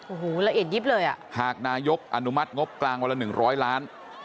โอ้โหละเอียดยิบเลยอ่ะหากนายกอนุมัติงบกลางวันละหนึ่งร้อยล้าน